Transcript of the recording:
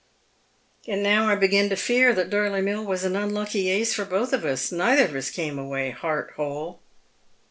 " And now I begin to fear that Dorley Mill was an unlucky ace for both of us. Neither of us came away heart whole."